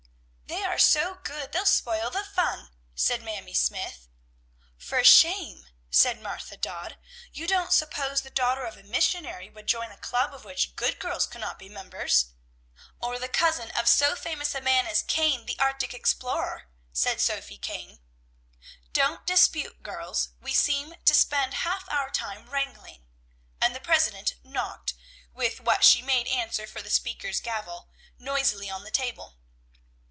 "They are so good, they'll spoil the fun," said Mamie Smythe. "For shame!" said Martha Dodd. "You don't suppose the daughter of a missionary would join a club of which good girls could not be members!" "Or the cousin of so famous a man as Kane, the Arctic explorer," said Sophy Kane. "Don't dispute, girls; we seem to spend half our time wrangling," and the president knocked, with what she made answer for the speaker's gavel, noisily on the table.